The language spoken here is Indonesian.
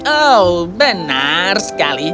oh benar sekali